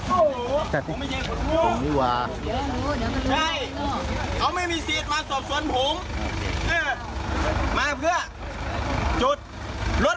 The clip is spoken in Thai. โอ้โหพี่ไม่มีสิทธิ์พี่ไม่มีสิทธิ์อะไร